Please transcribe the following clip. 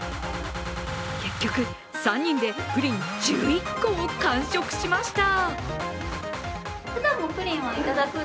結局、３人でプリン１１個を完食しました。